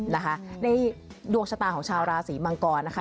นะคะในดวงชะตาของชาวราศีมังกรนะคะ